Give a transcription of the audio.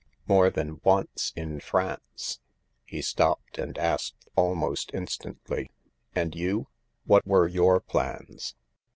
More than once in France ..." he stopped, and asked almost instantly, "And you— what were your plans